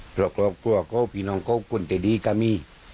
โปรดครอบครับเขาพี่น้องคนใส่ดีก็มี